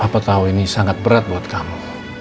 apa tahu ini sangat berat buat kamu